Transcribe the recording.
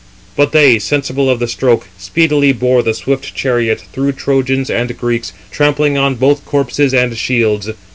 But they, sensible of the stroke, speedily bore the swift chariot through Trojans and Greeks, trampling on both corses and shields.